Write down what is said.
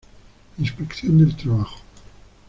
Inspección del Trabajo.